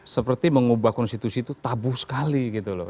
seperti mengubah konstitusi itu tabu sekali gitu loh